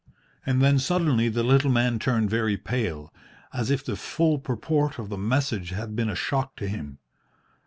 And then suddenly the little man turned very pale, as if the full purport of the message had been a shock to him.